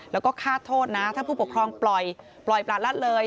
แล้วก็ฆ่าโทษนะถ้าผู้ปกครองปล่อยปล่อยประละเลย